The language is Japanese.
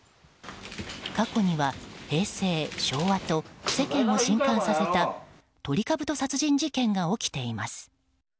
過去には平成、昭和と世間を震撼させたトリカブト殺人事件が起きています。